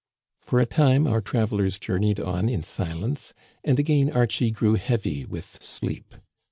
For a time our travelers journeyed on in silence, and again Archie grew heavy with sleep.